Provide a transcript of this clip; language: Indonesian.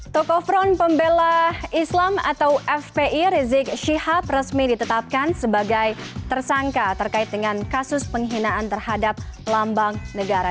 tokoh front pembela islam atau fpi rizik syihab resmi ditetapkan sebagai tersangka terkait dengan kasus penghinaan terhadap lambang negara